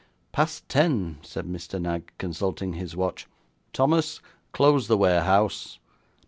'Past ten,' said Mr. Knag, consulting his watch. 'Thomas, close the warehouse.